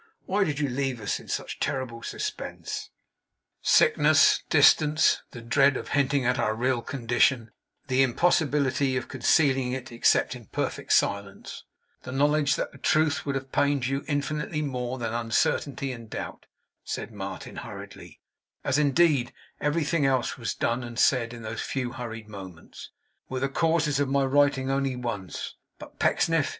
Why did you leave us in such terrible suspense?' 'Sickness, distance; the dread of hinting at our real condition, the impossibility of concealing it except in perfect silence; the knowledge that the truth would have pained you infinitely more than uncertainty and doubt,' said Martin, hurriedly; as indeed everything else was done and said, in those few hurried moments, 'were the causes of my writing only once. But Pecksniff?